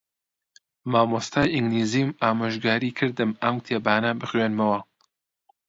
مامۆستای ئینگلیزیم ئامۆژگاریی کردم ئەم کتێبانە بخوێنمەوە.